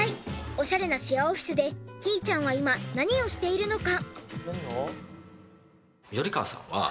オシャレなシェアオフィスでひーちゃんは今何をしているのか？